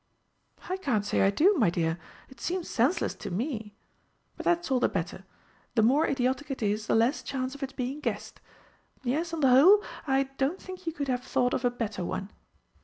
"I can't say I do, my dear. It seems senseless to me. But that's all the better the more idiotic it is, the less chance of its being guessed. Yes, on the whole, I don't think you could have thought of a better one."